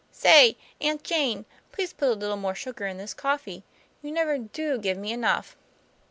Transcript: " Say, Aunt Jane, please put a little more sugar in this coffee. You never do give me enough."